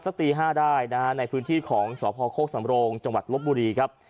ตี๕ได้นะฮะในพื้นที่ของสพโคกสำโรงจังหวัดลบบุรีครับ